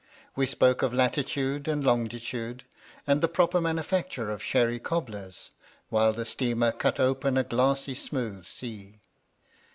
We spoke of latitude and longitude and the proper manufacture of sherry cobblers, while the steamer cut open a glassy smooth sea.